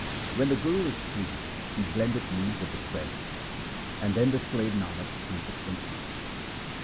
When the Guru is pleased he blendeth me with the Friend, and then the slave Nanak sleepeth in peace.